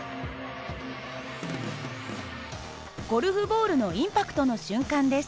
ゴルフボールのインパクトの瞬間です。